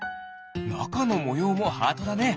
なかのもようもハートだね！